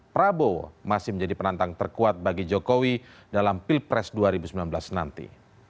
prabowo masih menjadi penantang terkuat bagi jokowi dalam pilpres dua ribu sembilan belas nanti